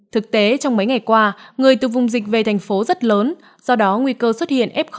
thực tế trong mấy ngày qua người từ vùng dịch về thành phố rất lớn do đó nguy cơ xuất hiện f một